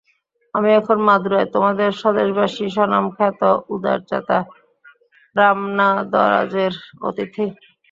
আমি এখন মাদুরায় তোমাদের স্বদেশবাসী স্বনামখ্যাত উদারচেতা রামনাদরাজের অতিথি।